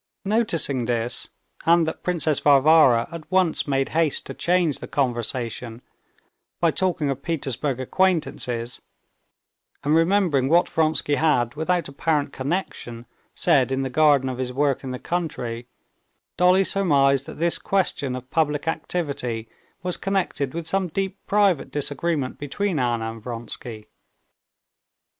Noticing this, and that Princess Varvara at once made haste to change the conversation by talking of Petersburg acquaintances, and remembering what Vronsky had without apparent connection said in the garden of his work in the country, Dolly surmised that this question of public activity was connected with some deep private disagreement between Anna and Vronsky.